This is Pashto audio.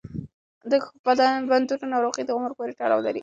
د بندونو ناروغي د عمر پورې تړاو لري.